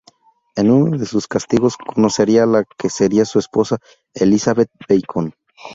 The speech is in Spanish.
En uno de sus castigos conocería a la que sería su esposa, Elizabeth Bacon.